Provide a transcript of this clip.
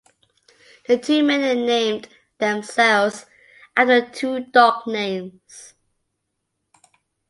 The two men named themselves after two dog names.